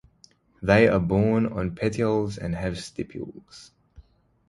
They are borne on petioles and have stipules.